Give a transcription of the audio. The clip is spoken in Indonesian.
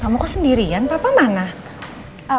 kamu kok sendirian papa mana